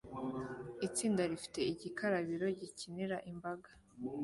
Itsinda rifite igikarabiro gikinira imbaga